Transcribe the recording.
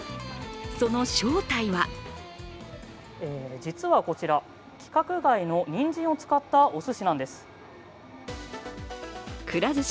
その正体は実はこちら、規格外のにんじんを使ったおすしなんです。